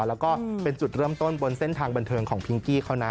แล้วก็เป็นจุดเริ่มต้นบนเส้นทางบันเทิงของพิงกี้เขานะ